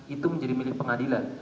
itu menjadi milik pengadilan